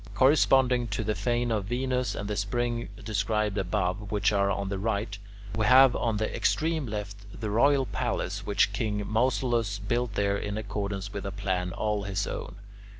Corresponding to the fane of Venus and the spring described above, which are on the right, we have on the extreme left the royal palace which king Mausolus built there in accordance with a plan all his own.